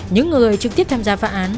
những người trực tiếp tham gia phá án